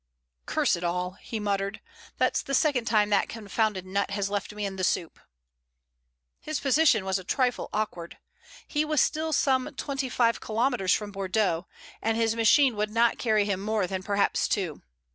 "Curse it all," he muttered, "that's the second time that confounded nut has left me in the soup." His position was a trifle awkward. He was still some twenty five kilometers from Bordeaux, and his machine would not carry him more than perhaps two.